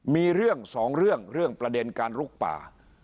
มีเรื่องสองเรื่องเรื่องประเด็นการลุกป่า